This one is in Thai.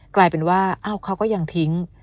กลายเป็นว่าเขาก็ยังทิ้ง